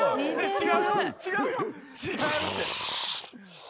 違うって。